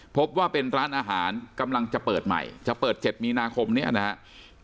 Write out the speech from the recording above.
พบว่าเป็นร้านอาหารกำลังจะเปิดใหม่จะเปิด๗มีนาคมเนี่ยนะครับ